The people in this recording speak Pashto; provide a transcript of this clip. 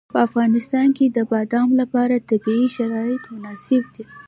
په افغانستان کې د بادام لپاره طبیعي شرایط مناسب دي.